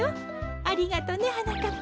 ありがとねはなかっぱ。